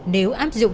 nếu áp dụng